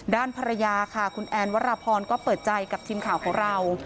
ด้านภรรยาค่ะคุณแอนวรพรก็เปิดใจกับทีมข่าวของเรา